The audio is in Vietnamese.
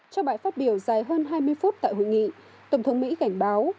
trong bài phát biểu dài hơn hai mươi phút tại hội nghị tổng thống mỹ cảnh báo